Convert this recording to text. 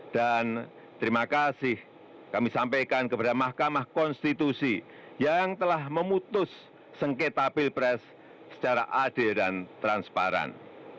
dan terima kasih kami sampaikan kepada mahkamah konstitusi yang telah memutus sengketa pilpres secara adil dan transparan